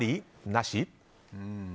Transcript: なし？